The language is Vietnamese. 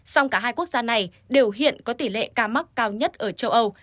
song cả hai quốc gia này đều hiện có tỷ lệ ca mắc cao nhất ở châu âu